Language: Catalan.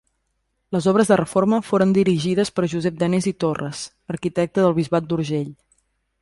Les obres de reforma foren dirigides per Josep Danés i Torres, arquitecte del bisbat d'Urgell.